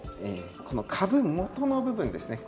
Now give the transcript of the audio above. この株元の部分ですね